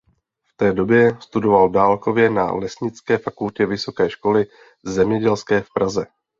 V té době studoval dálkově na Lesnické fakultě Vysoké školy zemědělské v Praze.